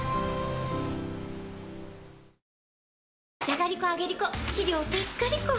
じゃがりこ、あげりこ！